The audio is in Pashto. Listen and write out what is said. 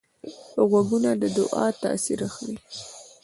غوږونه د دعا تاثیر اخلي